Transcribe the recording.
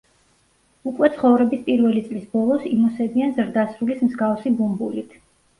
უკვე ცხოვრების პირველი წლის ბოლოს იმოსებიან ზრდასრულის მსგავსი ბუმბულით.